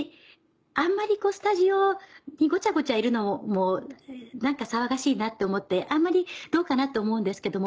あんまりスタジオにゴチャゴチャいるのも何か騒がしいなって思ってあんまりどうかなって思うんですけども。